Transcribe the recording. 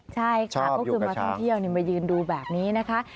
ใช่ค่ะก็คือมาท่องเที่ยวมายืนดูแบบนี้นะคะ